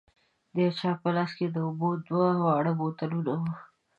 د یوه په لاس کې د اوبو دوه واړه بوتلونه وو.